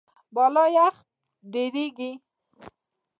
بالا یخ ډېریږي.